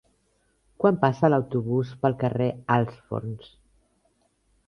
Quan passa l'autobús pel carrer Alts Forns?